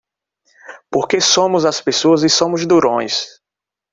Porque somos as pessoas e somos durões!